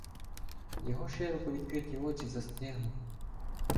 Його широко відкриті очі застигли.